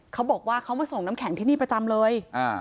เขาบอกว่าเขามาส่งน้ำแข็งที่นี่ประจำเลย